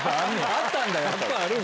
あったんだ。